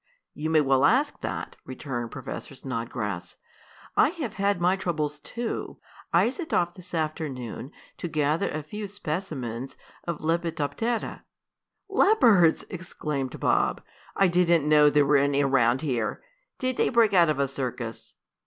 "You may well ask that," returned Professor Snodgrass. "I have had my troubles too. I set off this afternoon to gather a few specimens of lepidoptera " "Leopards!" exclaimed Bob. "I didn't know there were any around here. Did they break out of a circus?"